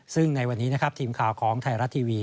ซึ่งในวันนี้นะครับทีมข่าวของไทยรัฐทีวี